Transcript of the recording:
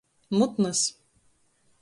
Mutns.